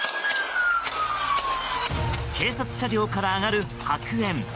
警察車両から上がる白煙。